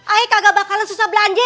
aie kagak bakalan susah belanje